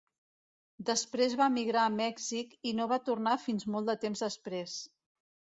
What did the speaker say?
Després va emigrar a Mèxic i no va tornar fins molt de temps després.